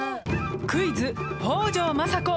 クイズ北条政子！